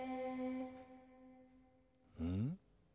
うん？